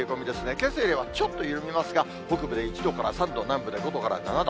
けさよりはちょっと緩みますが、北部で１度から３度、南部で５度から７度。